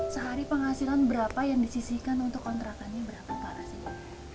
sehari penghasilan berapa yang disisihkan untuk kontrakannya berapa para